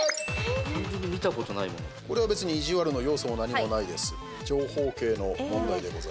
これは別に意地悪の要素は何もないです。